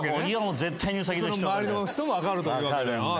周りの人も分かるというわけだ。